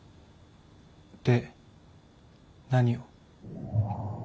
で何を。